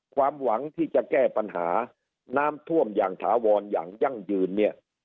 ความหวังที่จะแก้ปัญหาน้ำท่วมอย่างถาวรอย่างยั่งยืนเนี่ย